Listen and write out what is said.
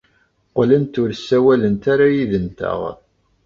Qqlent ur ssawalent ara yid-nteɣ.